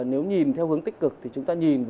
nếu nhìn theo hướng tích cực thì chúng ta nhìn